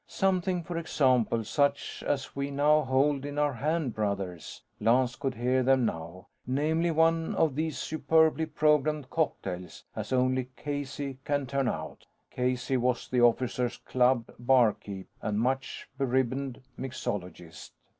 "Something, for example, such as we now hold in our hand, brothers!" Lance could hear them now. "Namely, one of these superbly programmed cocktails, as only Casey can turn out." (Casey was the Officers Club barkeep and much beribboned mixologist.)